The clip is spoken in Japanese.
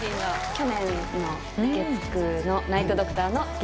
去年の月９の『ナイト・ドクター』の劇